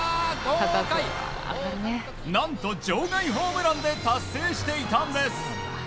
何と、場外ホームランで達成していたんです。